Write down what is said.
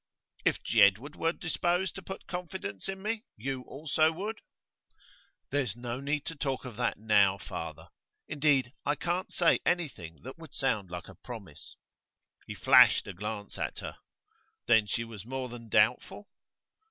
'If Jedwood were disposed to put confidence in me, you also would?' 'There's no need to talk of that now, father. Indeed, I can't say anything that would sound like a promise.' He flashed a glance at her. Then she was more than doubtful?